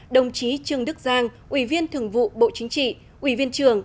đồng chí trương đức giang ủy viên thường vụ bộ chính trị ủy viên trưởng